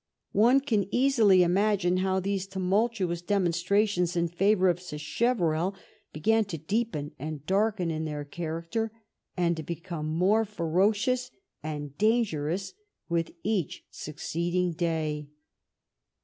One can easily imagine how these tumultuous dem onstrations in favor of Sacheverell began to deepen and darken in their character and to become more ferocious and dangerous with each succeeding day.